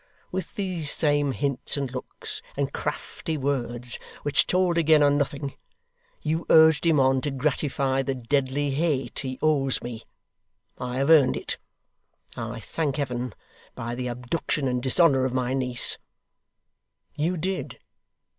With these same hints, and looks, and crafty words, which told again are nothing, you urged him on to gratify the deadly hate he owes me I have earned it, I thank Heaven by the abduction and dishonour of my niece. You did.